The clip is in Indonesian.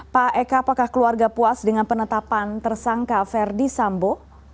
pak eka apakah keluarga puas dengan penetapan tersangka verdi sambo